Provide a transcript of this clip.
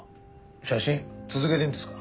写真続けてんですか？